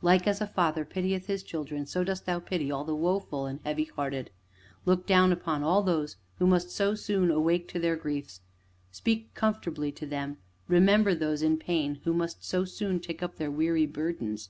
Like as a father pitieth his children, so dost Thou pity all the woeful and heavy hearted. Look down upon all those who must so soon awake to their griefs, speak comfortably to them; remember those in pain who must so soon take up their weary burdens!